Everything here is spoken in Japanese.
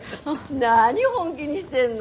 何本気にしてんの。